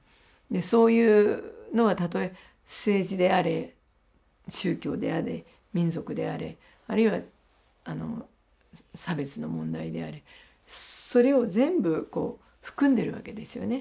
そういうのはたとえ政治であれ宗教であれ民族であれあるいは差別の問題であれそれを全部含んでるわけですよね。